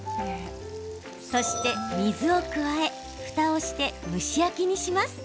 そして水を加え、ふたをして蒸し焼きにします。